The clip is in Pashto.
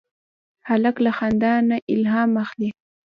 هلک له خندا نه الهام اخلي.